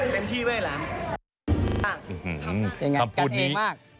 ไม่เชื่อว่าน้องทำได้แน่นอนเป็นที่ไว้แล้ว